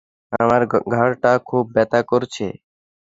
আমার ঘাড়টা খুব ব্যথা করছে।